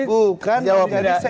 bukan jadi sekretar pasar